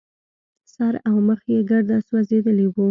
سر او مخ يې ګرده سوځېدلي وو.